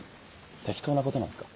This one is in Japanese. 適当なことなんすか？